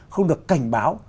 không được cảnh báo